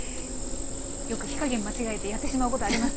よく火加減間違えてやってしまうことあります。